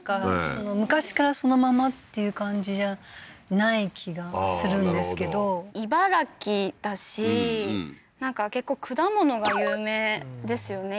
その昔からそのままっていう感じじゃない気がするんですけど茨城だしなんか結構果物が有名ですよね